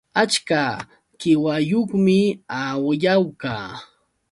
Achka qiwayuqmi Ayawka